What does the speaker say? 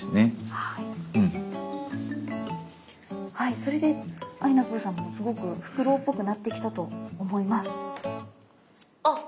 はいそれであいなぷぅさんもすごくフクロウっぽくなってきたと思います。